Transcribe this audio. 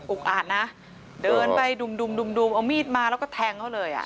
อุ๊กอาดนะเดินไปดุมเอามีดมาแล้วก็แทงเขาเลยอ่ะ